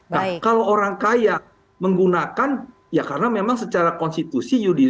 nah kalau orang kaya menggunakan ya karena memang secara konstitusi yudi